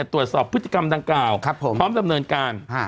ตรวจสอบพฤติกรรมดังกล่าวพร้อมดำเนินการ